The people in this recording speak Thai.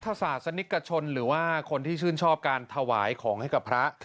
ศาสนิกชนหรือว่าคนที่ชื่นชอบการถวายของให้กับพระ